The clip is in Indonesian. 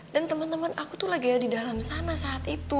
dan temen temen aku tuh laganya di dalam sana saat itu